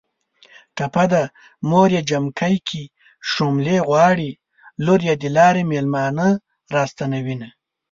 ټپه ده.: موریې جمکی کې شوملې غواړي ــــ لوریې د لارې مېلمانه را ستنوینه